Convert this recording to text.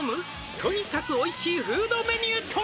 「とにかくおいしいフードメニューとは」